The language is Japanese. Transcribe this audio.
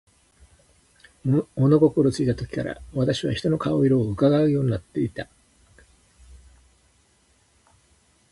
物心ついた時から、私は人の顔色を窺うようになっていた。